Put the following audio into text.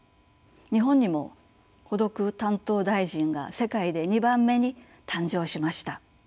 日本にも孤独担当大臣が世界で２番目に誕生しました。